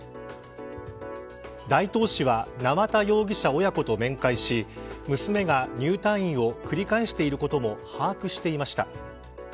大東市は縄田容疑者親子と面会し娘が入退院を繰り返していることも把握していました。